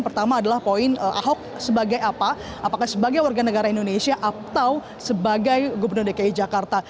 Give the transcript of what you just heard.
pertama adalah poin ahok sebagai apa apakah sebagai warga negara indonesia atau sebagai gubernur dki jakarta